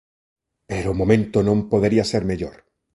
Pero o momento non podería ser mellor.